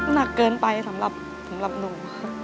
หนักเกินไปสำหรับหนู